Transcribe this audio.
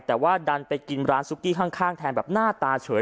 แต่ว่าดันไปกินร้านซุกกี้ข้างแทนแบบหน้าตาเฉย